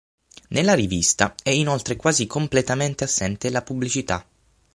Nella rivista è inoltre quasi completamente assente la pubblicità.